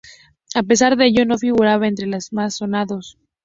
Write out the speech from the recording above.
A pesar de ello, no figuraba entre los más sonados.